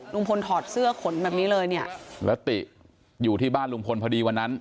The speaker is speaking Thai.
ถอดเสื้อขนแบบนี้เลยเนี่ยแล้วติอยู่ที่บ้านลุงพลพอดีวันนั้น